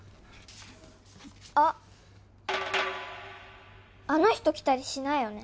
あっあの人来たりしないよね？